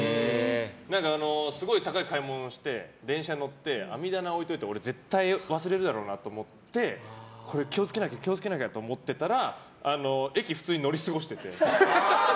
すごい高い買い物をして電車に乗って網棚に置いておくと絶対に忘れると思ってこれ、気をつけなきゃ気をつけなきゃって思ってたら駅、普通に乗り過ごしてて。